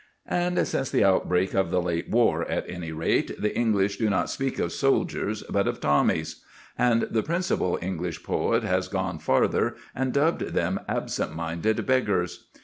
And since the outbreak of the late war, at any rate, the English do not speak of soldiers, but of Tommies; and the principal English poet has gone farther, and dubbed them Absent Minded Beggars.